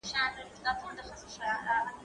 کېدای سي خبري ګڼه وي!؟